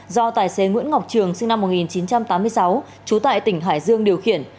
do tài xế nguyễn ngọc trường sinh năm một nghìn chín trăm tám mươi sáu trú tại tỉnh hải dương điều khiển